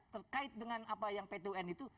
terkait dengan apa yang pt un itu